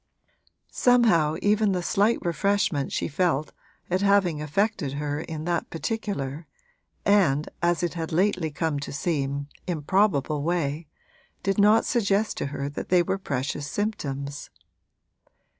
Somehow even the slight refreshment she felt at having affected her in that particular and, as it had lately come to seem, improbable way did not suggest to her that they were precious symptoms.